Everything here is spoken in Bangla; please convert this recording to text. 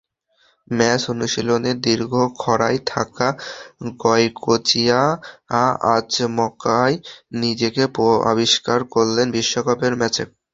ম্যাচ অনুশীলনের দীর্ঘ খরায় থাকা গয়কোচিয়া আচমকাই নিজেকে আবিষ্কার করলেন বিশ্বকাপের ম্যাচে।